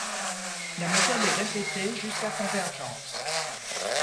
La méthode est répétée jusqu'à convergence.